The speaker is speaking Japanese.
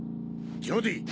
ジョディ。